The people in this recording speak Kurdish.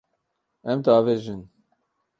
Em diavêjin.